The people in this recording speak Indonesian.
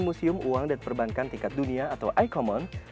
museum uang dan perbankan tingkat dunia atau i common